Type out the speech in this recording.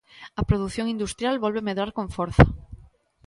A produción industrial volve medrar con forza.